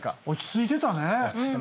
落ち着いてたね。